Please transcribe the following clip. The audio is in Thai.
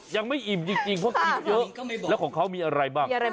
ยังไม่อิ่มจริงเขาถึงเยอะแล้วเขาจะมีอะไรบ้าง